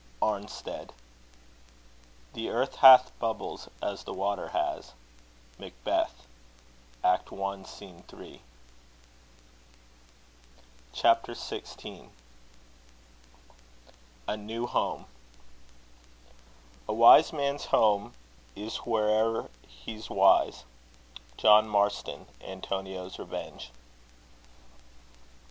ARNSTEAD. The earth hath bubbles as the water has. MACBETH. I.3 CHAPTER I. A NEW HOME. A wise man's home is whereso'er he's wise. JOHN MARSTON. Antonio's Revenge.